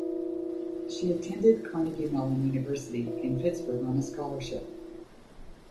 She attended Carnegie Mellon University in Pittsburgh on a scholarship.